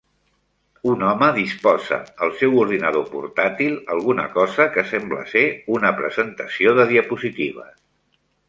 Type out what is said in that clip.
Un home disposa el seu ordinador portàtil alguna cosa que sembla ser una presentació de diapositives.